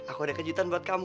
eh li aku ada kejutan buat kamu